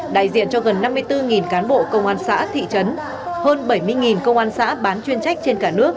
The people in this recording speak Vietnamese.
đại diện cho gần năm mươi bốn cán bộ công an xã thị trấn hơn bảy mươi công an xã bán chuyên trách trên cả nước